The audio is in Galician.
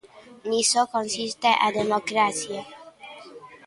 Niso consiste a democracia.